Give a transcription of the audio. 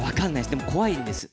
でも怖いんです。